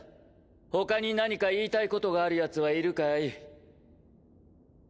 他に何か言いたいことがあるヤツはいるかい？